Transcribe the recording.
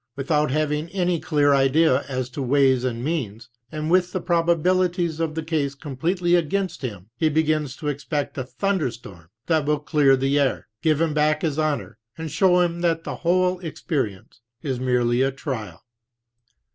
Without having any clear idea as to ways and means, and with the probabilities of the case completely against him, he begins to expect a thunder storm that will clear the air, give him back his honor, and show him that the whole experience is merely a trial.